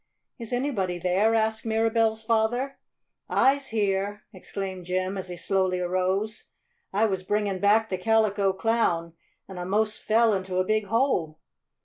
"Is anybody there?" asked Mirabell's father. "I'se heah!" exclaimed Jim, as he slowly arose. "I was bringin' back de Calico Clown, an' I 'mos' fell into a big hole."